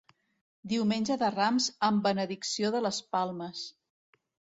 Diumenge de Rams amb benedicció de les palmes.